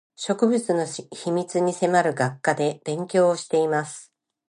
植物の秘密に迫る学科で勉強をしています